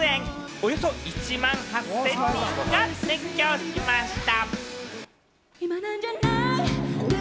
およそ１万８０００人が熱狂しました。